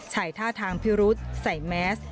ท่าทางพิรุษใส่แมส